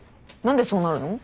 何でそうなるの？